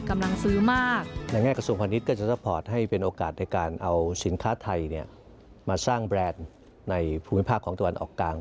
มาสร้างแบรนด์ในภูมิภาคของตะวันออกกลาง